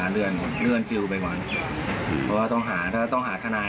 ตอนนี้ก็คิดว่าต้องหาธนาย